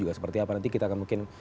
juga seperti apa nanti kita akan mungkin